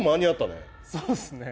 そうっすね。